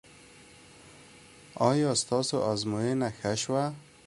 ایا ستاسو ازموینه ښه شوه؟